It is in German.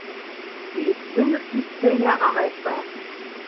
Sie ist mindestens zehn Jahre haltbar.